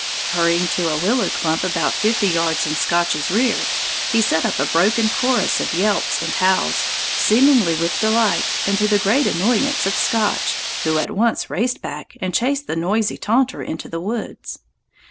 Hurrying to a willow clump about fifty yards in Scotch's rear, he set up a broken chorus of yelps and howls, seemingly with delight and to the great annoyance of Scotch, who at once raced back and chased the noisy taunter into the woods.